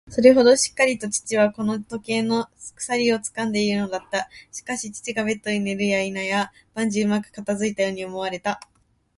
それほどしっかりと父はこの時計の鎖をつかんでいるのだった。しかし、父がベッドに寝るやいなや、万事うまく片づいたように思われた。